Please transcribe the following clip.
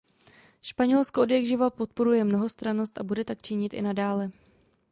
Španělsko odjakživa podporuje mnohostrannost a bude tak činit i nadále.